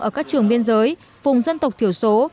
ở các trường biên giới vùng dân tộc thiểu số